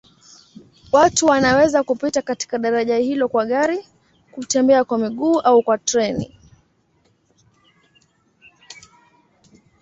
Watu wanaweza kupita katika daraja hilo kwa gari, kutembea kwa miguu au kwa treni.